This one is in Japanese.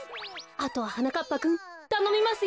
あとははなかっぱくんたのみますよ！